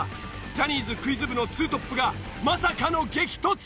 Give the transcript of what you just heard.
ジャニーズクイズ部の２トップがまさかの激突！